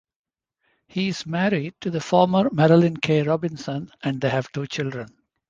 He is married to the former Marilyn K. Robinson, and they have two children.